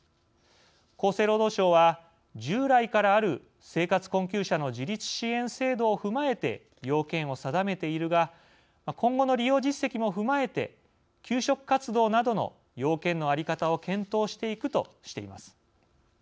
厚生労働省は従来からある生活困窮者の自立支援制度を踏まえて要件を定めているが今後の利用実績も踏まえて求職活動などの要件の在り方を検討していくとしています。